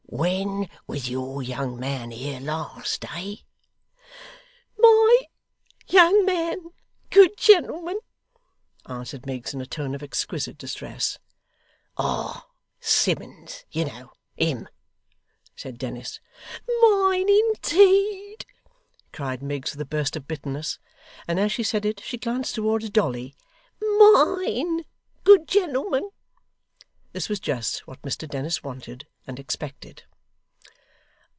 'When was your young man here last, eh?' 'MY young man, good gentleman!' answered Miggs in a tone of exquisite distress. 'Ah! Simmuns, you know him?' said Dennis. 'Mine indeed!' cried Miggs, with a burst of bitterness and as she said it, she glanced towards Dolly. 'MINE, good gentleman!' This was just what Mr Dennis wanted, and expected.